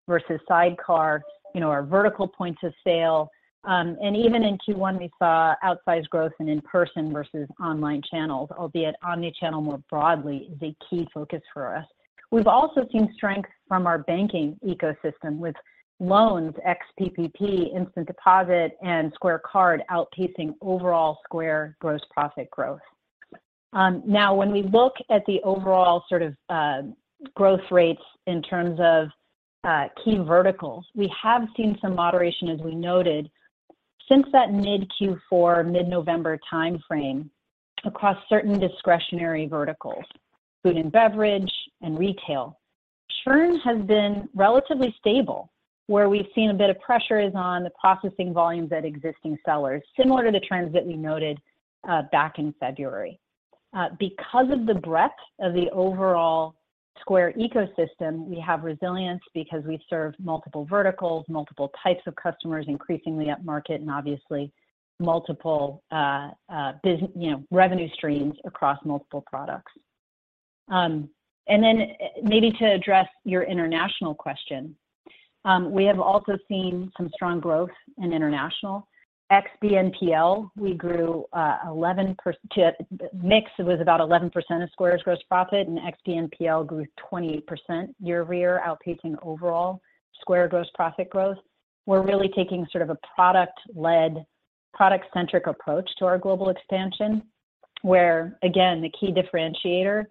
versus sidecar, you know, our vertical points of sale. Even in Q1, we saw outsized growth in in-person versus online channels, albeit omni-channel more broadly is a key focus for us. We've also seen strength from our banking ecosystem with loans, ex-PPP, instant deposit, and Square Card outpacing overall Square gross profit growth. When we look at the overall sort of growth rates in terms of key verticals, we have seen some moderation, as we noted, since that mid-Q4, mid-November timeframe across certain discretionary verticals, food and beverage and retail. Churn has been relatively stable, where we've seen a bit of pressure is on the processing volumes at existing sellers, similar to the trends that we noted back in February. Because of the breadth of the overall Square ecosystem, we have resilience because we serve multiple verticals, multiple types of customers, increasingly up-market, and obviously multiple, you know, revenue streams across multiple products. And then maybe to address your international question, we have also seen some strong growth in international. Ex-BNPL, we grew 11%. Mix was about 11% of Square's gross profit, and ex-BNPL grew 28% year-over-year, outpacing overall Square gross profit growth. We're really taking sort of a product-led, product-centric approach to our global expansion, where again, the key differentiator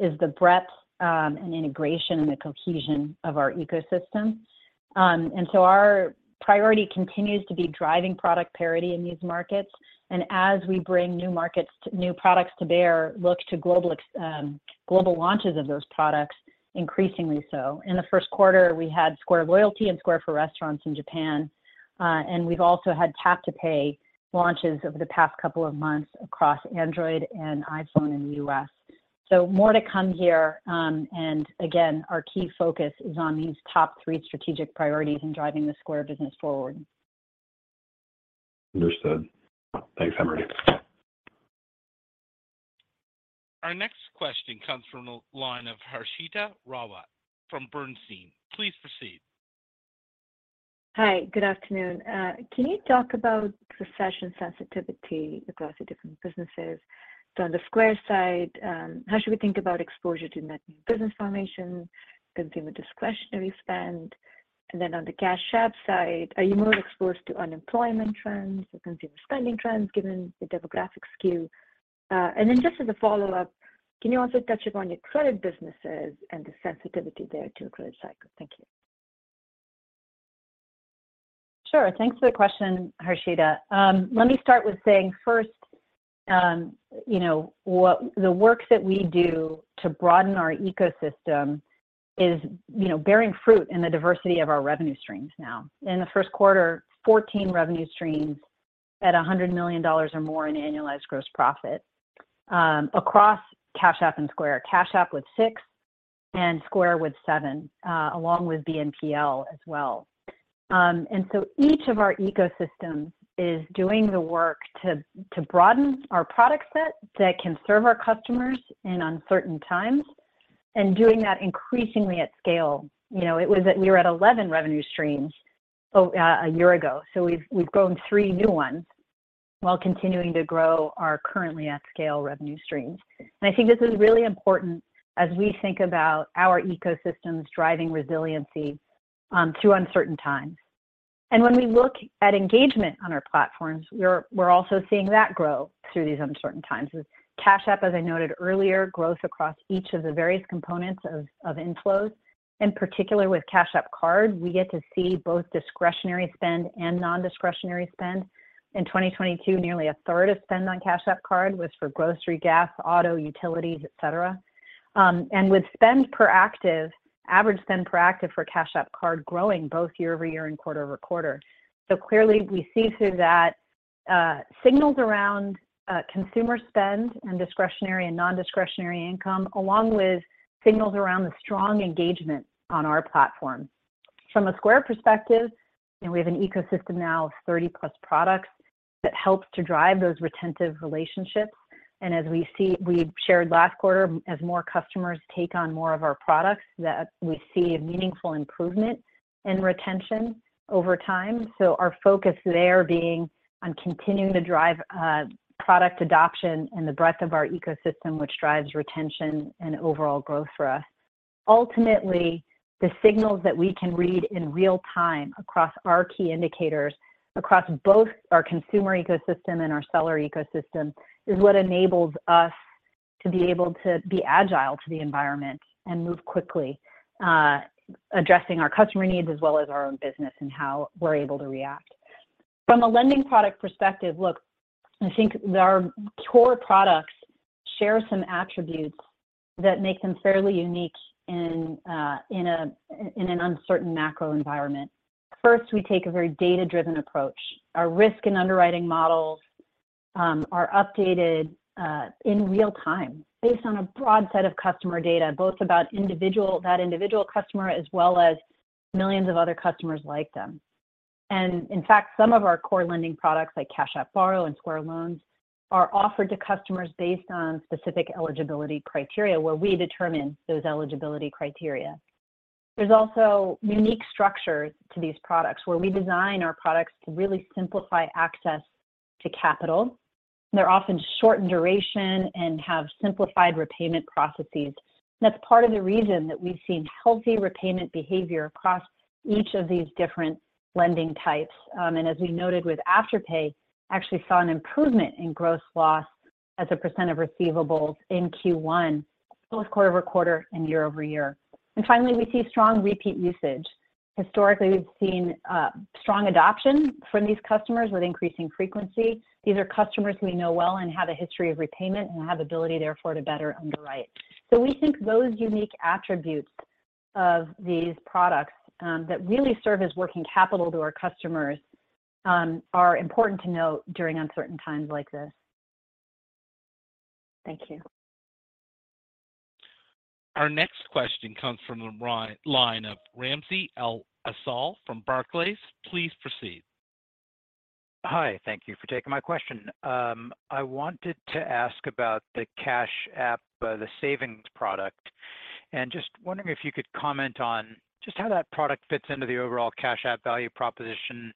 is the breadth, and integration and the cohesion of our ecosystem. Our priority continues to be driving product parity in these markets, and as we bring new products to bear, look to global launches of those products increasingly so. In the first quarter, we had Square Loyalty and Square for Restaurants in Japan, and we've also had Tap to Pay launches over the past couple of months across Android and iPhone in the U.S. More to come here. Again, our key focus is on these top three strategic priorities in driving the Square business forward. Understood. Thanks, Amrita. Our next question comes from the line of Harshita Rawat from Bernstein. Please proceed. Hi, good afternoon. Can you talk about recession sensitivity across the different businesses? On the Square side, how should we think about exposure to net new business formation, consumer discretionary spend? On the Cash App side, are you more exposed to unemployment trends or consumer spending trends given the demographic skew? Just as a follow-up, can you also touch upon your credit businesses and the sensitivity there to a credit cycle? Thank you. Sure. Thanks for the question, Harshita. Let me start with saying first, you know, the work that we do to broaden our ecosystem is, you know, bearing fruit in the diversity of our revenue streams now. In the first quarter, 14 revenue streams at $100 million or more in annualized gross profit across Cash App and Square. Cash App with six and Square with seven, along with BNPL as well. Each of our ecosystems is doing the work to broaden our product set that can serve our customers in uncertain times, and doing that increasingly at scale. You know, we were at 11 revenue streams a year ago. We've grown three new ones while continuing to grow our currently at scale revenue streams. I think this is really important as we think about our ecosystems driving resiliency through uncertain times. When we look at engagement on our platforms, we're also seeing that grow through these uncertain times. With Cash App, as I noted earlier, growth across each of the various components of inflows. In particular with Cash App Card, we get to see both discretionary spend and non-discretionary spend. In 2022, nearly a third of spend on Cash App Card was for grocery, gas, auto, utilities, et cetera. And with spend per active, average spend per active for Cash App Card growing both year-over-year and quarter-over-quarter. Clearly, we see through that signals around consumer spend and discretionary and non-discretionary income, along with signals around the strong engagement on our platform. From a Square perspective, you know, we have an ecosystem now of 30-plus products that helps to drive those retentive relationships. As we see, we shared last quarter, as more customers take on more of our products, that we see a meaningful improvement in retention over time. Our focus there being on continuing to drive product adoption and the breadth of our ecosystem, which drives retention and overall growth for us. Ultimately, the signals that we can read in real time across our key indicators, across both our consumer ecosystem and our seller ecosystem, is what enables us to be able to be agile to the environment and move quickly, addressing our customer needs as well as our own business and how we're able to react. From a lending product perspective, look, I think our core products share some attributes that make them fairly unique in a, in an uncertain macro environment. First, we take a very data-driven approach. Our risk and underwriting models are updated in real time based on a broad set of customer data, both about that individual customer as well as millions of other customers like them. In fact, some of our core lending products like Cash App Borrow and Square Loans are offered to customers based on specific eligibility criteria where we determine those eligibility criteria. There's also unique structures to these products where we design our products to really simplify access to capital. They're often short in duration and have simplified repayment processes. That's part of the reason that we've seen healthy repayment behavior across each of these different lending types. As we noted with Afterpay, actually saw an improvement in gross loss as a percent of receivables in Q1, both quarter-over-quarter and year-over-year. Finally, we see strong repeat usage. Historically, we've seen strong adoption from these customers with increasing frequency. These are customers we know well and have a history of repayment and have ability therefore to better underwrite. We think those unique attributes of these products that really serve as working capital to our customers are important to note during uncertain times like this. Thank you. Our next question comes from the line of Ramsey El-Assal from Barclays. Please proceed. Hi. Thank you for taking my question. I wanted to ask about the Cash App, the savings product, and just wondering if you could comment on just how that product fits into the overall Cash App value proposition.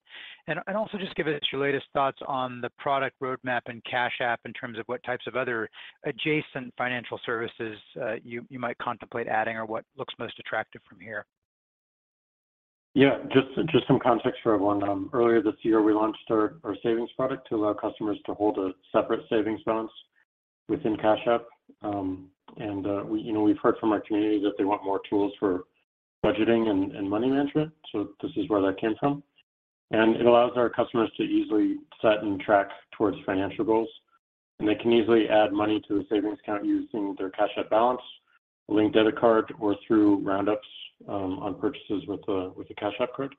Also just give us your latest thoughts on the product roadmap in Cash App in terms of what types of other adjacent financial services, you might contemplate adding or what looks most attractive from here. Yeah. Just some context for everyone. Earlier this year, we launched our savings product to allow customers to hold a separate savings balance within Cash App. We, you know, we've heard from our community that they want more tools for budgeting and money management. This is where that came from. It allows our customers to easily set and track towards financial goals. They can easily add money to the savings account using their Cash App balance, a linked debit card, or through roundups on purchases with the Cash App Card.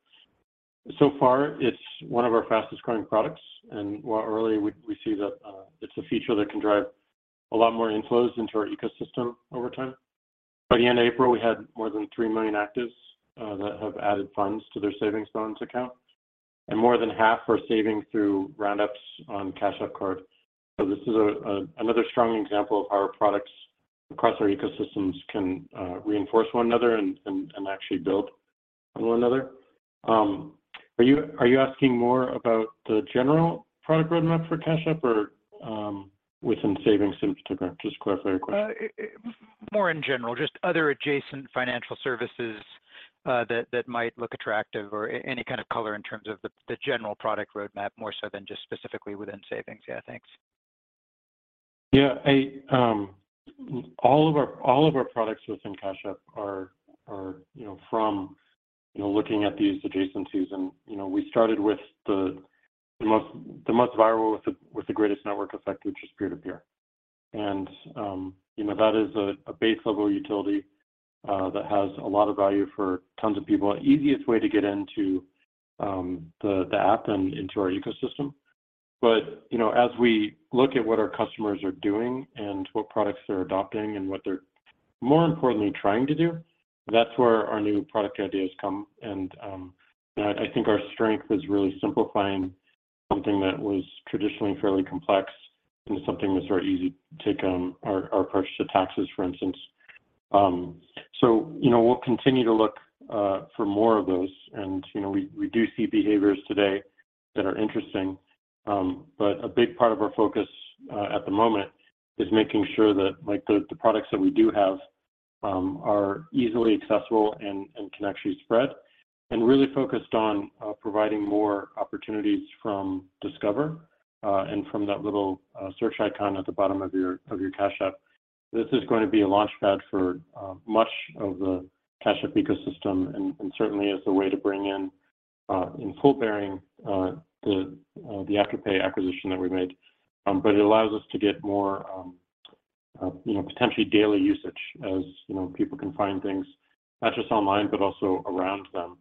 So far, it's one of our fastest growing products, and while early we see that it's a feature that can drive a lot more inflows into our ecosystem over time. By the end of April, we had more than 3 million actives that have added funds to their savings balance account. More than half are saving through roundups on Cash App Card. This is another strong example of how our products across our ecosystems can reinforce one another and actually build on one another. Are you asking more about the general product roadmap for Cash App or within savings in particular? Just to clarify your question. More in general, just other adjacent financial services, that might look attractive or any kind of color in terms of the general product roadmap more so than just specifically within savings. Yeah, thanks. Yeah. I, all of our products within Cash App are, you know, from, you know, looking at these adjacencies and, you know, we started with the most viral with the greatest network effect, which is peer-to-peer. You know, that is a base level utility that has a lot of value for tons of people. Easiest way to get into the app and into our ecosystem. You know, as we look at what our customers are doing and what products they're adopting and what they're more importantly trying to do, that's where our new product ideas come. And I think our strength is really simplifying something that was traditionally fairly complex into something that's very easy to. Our approach to taxes, for instance. You know, we'll continue to look for more of those. You know, we do see behaviors today that are interesting. A big part of our focus at the moment is making sure that like the products that we do have are easily accessible and can actually spread. Really focused on providing more opportunities from Discover, and from that little search icon at the bottom of your Cash App. This is going to be a launchpad for much of the Cash App ecosystem and certainly as a way to bring in in full bearing the Afterpay acquisition that we made. It allows us to get more, you know, potentially daily usage as, you know, people can find things not just online, but also around them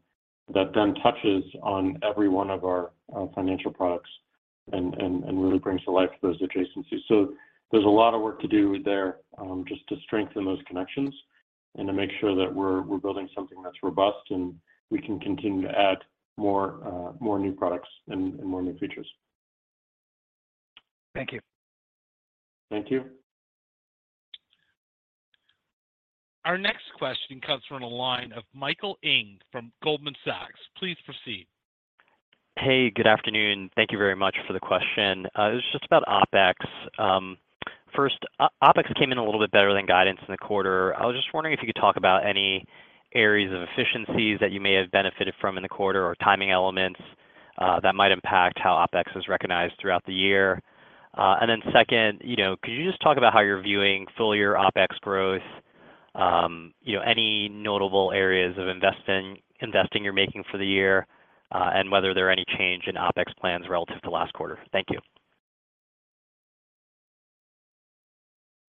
that then touches on every one of our financial products and really brings to life those adjacencies. There's a lot of work to do there, just to strengthen those connections and to make sure that we're building something that's robust, and we can continue to add more new products and more new features. Thank you. Thank you. Our next question comes from the line of Michael Ng from Goldman Sachs. Please proceed. Hey, good afternoon. Thank you very much for the question. It was just about OpEx. First, OpEx came in a little bit better than guidance in the quarter. I was just wondering if you could talk about any areas of efficiencies that you may have benefited from in the quarter or timing elements that might impact how OpEx was recognized throughout the year. Second, you know, could you just talk about how you're viewing full-year OpEx growth? You know, any notable areas of investing you're making for the year, whether there are any change in OpEx plans relative to last quarter. Thank you.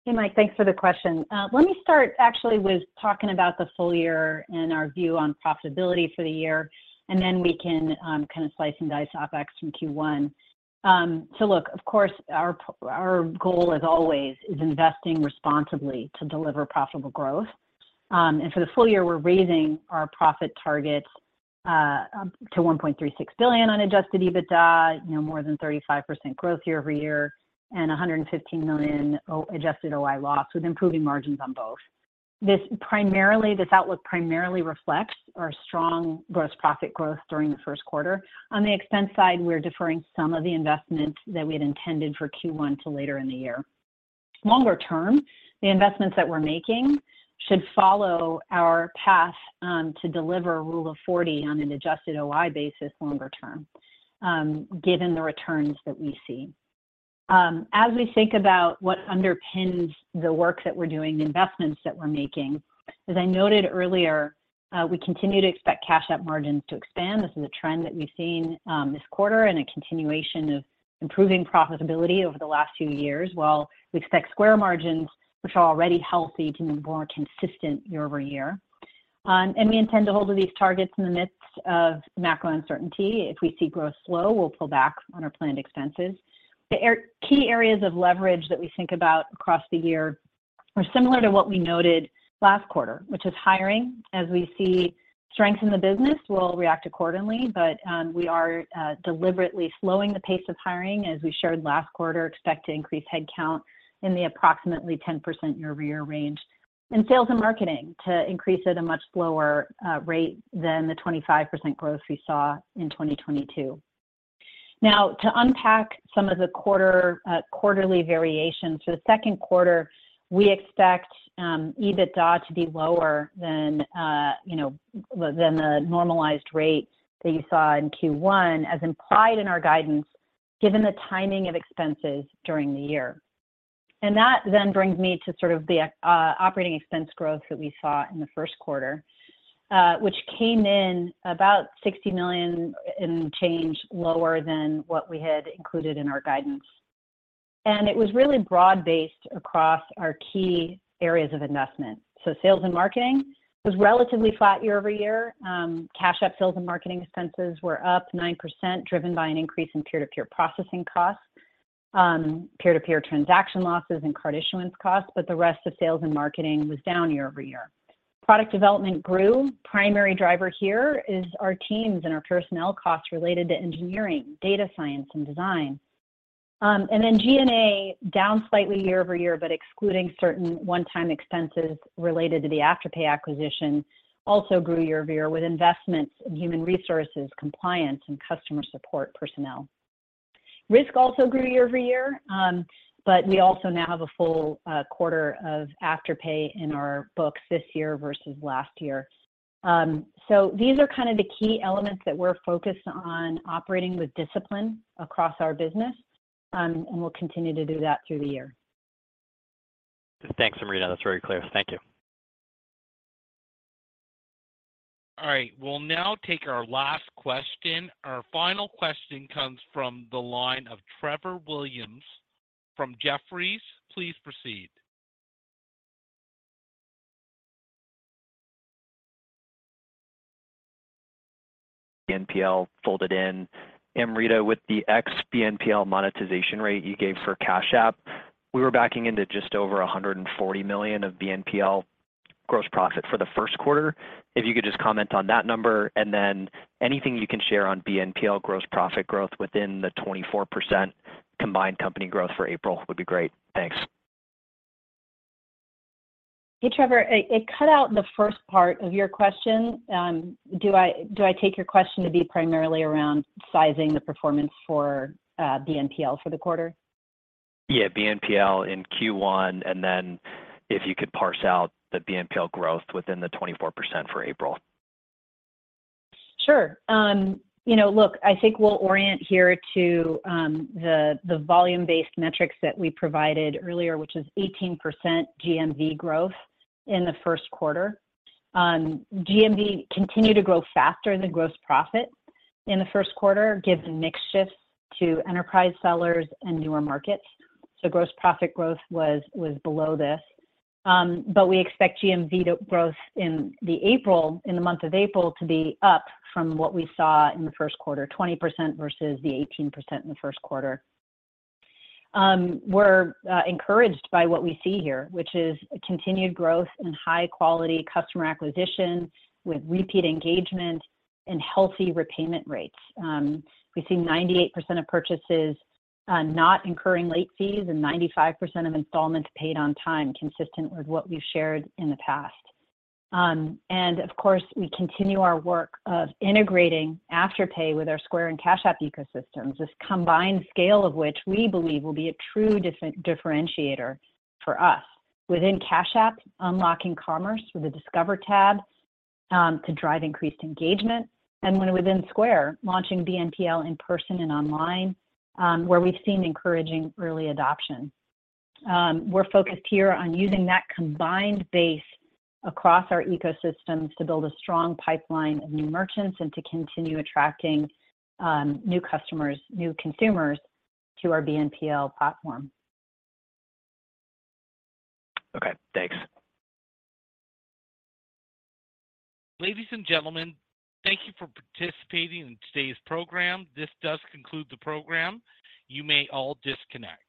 Hey, Mike. Thanks for the question. Let me start actually with talking about the full year and our view on profitability for the year, and then we can kind of slice and dice OpEx from Q1. Look, of course, our goal as always is investing responsibly to deliver profitable growth. For the full year, we're raising our profit targets to $1.36 billion on adjusted EBITDA, you know, more than 35% growth year-over-year, and a $115 million adjusted OI loss, with improving margins on both. This outlook primarily reflects our strong gross profit growth during the first quarter. On the expense side, we're deferring some of the investments that we had intended for Q1 to later in the year. Longer term, the investments that we're making should follow our path to deliver Rule of 40 on an adjusted OI basis longer term, given the returns that we see. As we think about what underpins the work that we're doing, the investments that we're making, as I noted earlier, we continue to expect Cash App margins to expand. This is a trend that we've seen this quarter and a continuation of improving profitability over the last few years, while we expect Square margins, which are already healthy, to be more consistent year-over-year. We intend to hold to these targets in the midst of macro uncertainty. If we see growth slow, we'll pull back on our planned expenses. The key areas of leverage that we think about across the year are similar to what we noted last quarter, which is hiring. As we see strength in the business, we'll react accordingly. We are deliberately slowing the pace of hiring. As we shared last quarter, expect to increase headcount in the approximately 10% year-over-year range. Sales and marketing to increase at a much slower rate than the 25% growth we saw in 2022. To unpack some of the quarter, quarterly variations. For the second quarter, we expect EBITDA to be lower than, you know, than the normalized rate that you saw in Q1, as implied in our guidance, given the timing of expenses during the year. That then brings me to sort of the operating expense growth that we saw in the first quarter, which came in about $60 million and change lower than what we had included in our guidance. It was really broad-based across our key areas of investment. Sales and marketing was relatively flat year-over-year. Cash App sales and marketing expenses were up 9%, driven by an increase in peer-to-peer processing costs, peer-to-peer transaction losses and card issuance costs, but the rest of sales and marketing was down year-over-year. Product development grew. Primary driver here is our teams and our personnel costs related to engineering, data science, and design. G&A down slightly year-over-year but excluding certain one-time expenses related to the Afterpay acquisition also grew year-over-year with investments in human resources, compliance, and customer support personnel. Risk also grew year-over-year, but we also now have a full quarter of Afterpay in our books this year versus last year. These are kind of the key elements that we're focused on operating with discipline across our business, and we'll continue to do that through the year. Thanks, Amrita. That's very clear. Thank you. All right, we'll now take our last question. Our final question comes from the line of Trevor Williams from Jefferies. Please proceed. BNPL folded in. Amrita, with the ex BNPL monetization rate you gave for Cash App, we were backing into just over $140 million of BNPL gross profit for the first quarter. If you could just comment on that number, anything you can share on BNPL gross profit growth within the 24% combined company growth for April would be great. Thanks. Hey, Trevor. It cut out the first part of your question. Do I take your question to be primarily around sizing the performance for BNPL for the quarter? Yeah, BNPL in Q1, and then if you could parse out the BNPL growth within the 24% for April. Sure. you know, look, I think we'll orient here to the volume-based metrics that we provided earlier, which is 18% GMV growth in the first quarter. GMV continued to grow faster than gross profit in the first quarter, given mix shifts to enterprise sellers and newer markets. gross profit growth was below this. We expect GMV to growth in the April, in the month of April to be up from what we saw in the first quarter, 20% versus the 18% in the first quarter. We're encouraged by what we see here, which is continued growth and high-quality customer acquisition with repeat engagement and healthy repayment rates. We see 98% of purchases not incurring late fees and 95% of installments paid on time, consistent with what we've shared in the past. Of course, we continue our work of integrating Afterpay with our Square and Cash App ecosystems, this combined scale of which we believe will be a true differentiator for us within Cash App, unlocking commerce through the Discover tab, to drive increased engagement, and when within Square, launching BNPL in person and online, where we've seen encouraging early adoption. We're focused here on using that combined base across our ecosystems to build a strong pipeline of new merchants and to continue attracting, new customers, new consumers to our BNPL platform. Okay, thanks. Ladies and gentlemen, thank you for participating in today's program. This does conclude the program. You may all disconnect.